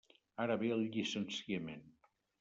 Ara ve el llicenciament.